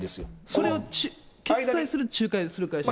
それを決済する、仲介する会社？